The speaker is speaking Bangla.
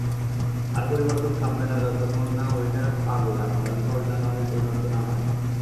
আর পরিবর্তন থামবে না যতক্ষণ না ঐটা পাগলা, ভয়ংকর জানোয়ারে পরিণত না হয়।